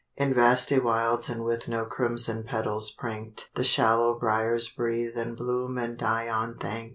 In vasty Wilds and with No crimson petals pranckt The shallow briars breathe And bloom and die unthankt.